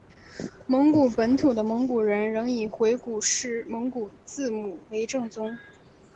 蒙古本土的蒙古人仍以回鹘式蒙古字母为正宗。